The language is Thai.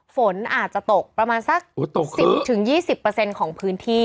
ฝนอาจจะตกประมาณสัก๑๐๒๐ของพื้นที่